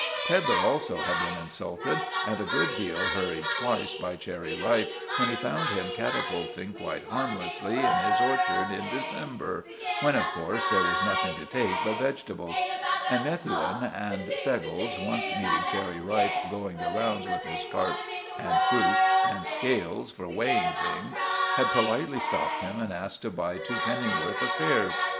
Pedlar also had been insulted, and a good deal hurried twice by Cherry Ripe, when he found him catapulting quite harmlessly in his orchard in December, when of course there was nothing to take but vegetables; and Methuen and Steggles once meeting Cherry Ripe going the rounds with his cart and fruit and scales for weighing things, had politely stopped him and asked to buy two pennyworth of pears.